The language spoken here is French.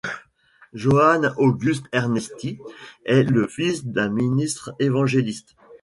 Johann August Ernesti est le fils d'un ministre évangéliste.